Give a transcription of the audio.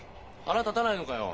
腹立たないのかよ？